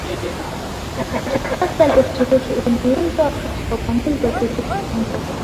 kisasa la Uturuki uliundwa Wakati wa upanuzi wa Uturuki kwenda